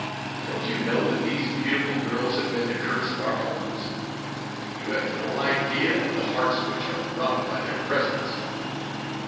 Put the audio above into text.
Don't you know that these beautiful girls have been the curse of our homes? You have no idea of the hearts which are wrung by their presence."